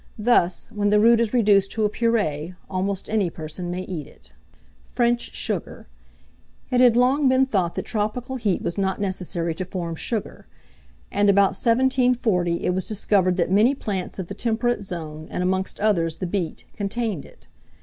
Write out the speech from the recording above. Thus, when the root is reduced to a puree, almost any person may eat it. FRENCH SUGAR. It had long been thought that tropical heat was not necessary to form sugar, and, about 1740, it was discovered that many plants of the temperate zone, and amongst others the beet, contained it.